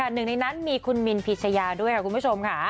๑ในนั้นมีคุณมินพิชยาด้วยค่ะคุณผู้ชม